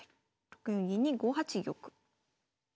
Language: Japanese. ６四銀に５八玉。